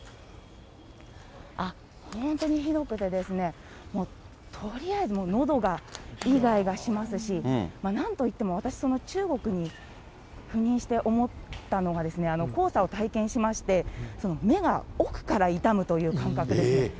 本当にひどくてですね、もうとりあえずのどがいがいがしますし、なんといっても私、中国に赴任して思ったのが、黄砂を体験しまして、目が奥から痛むという感覚ですね。